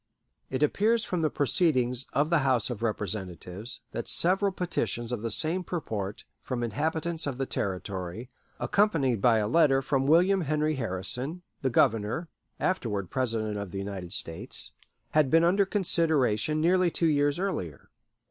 It appears from the proceedings of the House of Representatives that several petitions of the same purport from inhabitants of the Territory, accompanied by a letter from William Henry Harrison, the Governor (afterward President of the United States), had been under consideration nearly two years earlier.